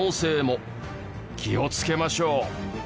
気をつけましょう。